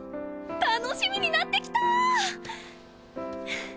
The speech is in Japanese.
楽しみになってきた！